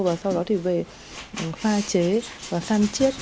và sau đó thì về pha chế và săn chiết